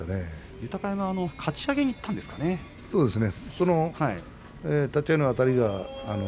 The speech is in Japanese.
豊山はかち上げにいったんですかね。